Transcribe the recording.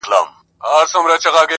• دا زما د کوچنيوالي غزل دی ..